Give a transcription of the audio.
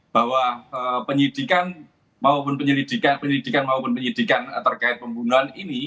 bahwa penyelidikan maupun penyelidikan terkait pembunuhan ini